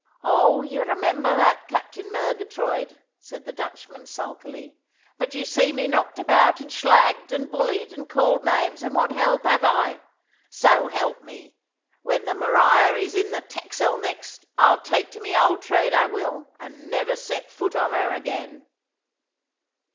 'Oh, you remember that, Captain Murgatroyd,' said the Dutchman sulkily. 'But you see me knocked about and shlagged, and bullied, and called names, and what help have I? So help me, when the Maria is in the Texel next, I'll take to my old trade, I will, and never set foot on her again.